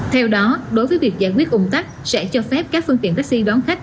theo đó đối với việc giải quyết ủng tắc sẽ cho phép các phương tiện taxi đón khách